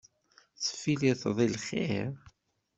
Tesfilliteḍ i lxir?